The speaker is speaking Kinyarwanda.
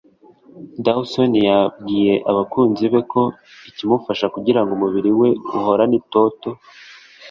Dawson yabwiye abakunzi be ko ikimufasha kugira ngo umubiri we uhorane itoto